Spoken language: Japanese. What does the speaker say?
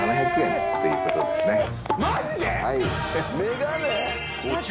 マジで！？